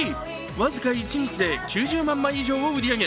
僅か一日で９０万枚以上を売り上げ